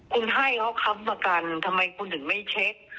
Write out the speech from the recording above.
คุณให้เขาค้ำประกันทำไมคุณถึงไม่เช็ค